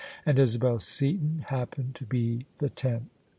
And Isabel Seaton happened to be the tenth.